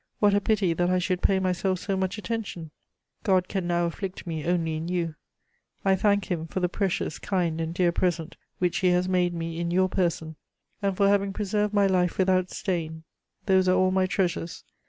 What a pity that I should pay myself so much attention! God can now afflict me only in you. I thank Him for the precious, kind and dear present which He has made me in your person and for having preserved my life without stain: those are all my treasures.